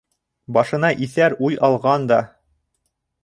Башына иҫәр уй алған да...